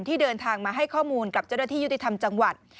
ที่เดินทางมาให้ข้อมูลกับเจ้าหน้าที่ยุติธรรมจังหวัด